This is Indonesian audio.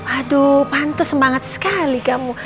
aduh pantu semangat sekali kamu